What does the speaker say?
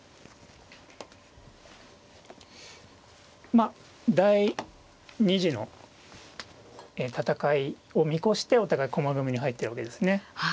まあ第２次の戦いを見越してお互い駒組みに入ってるわけですね。